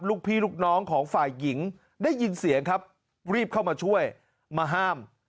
ลูกพี่ลูกน้องของฝ่ายหญิงได้ยินเสียงครับรีบเข้ามาช่วยมาห้าม